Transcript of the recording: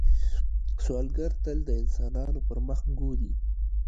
سوالګر تل د انسانانو پر مخ ګوري